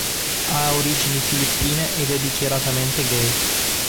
Ha origini filippine ed è dichiaratamente gay.